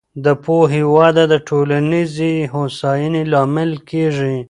د پوهې وده د ټولنیزې هوساینې لامل کېږي.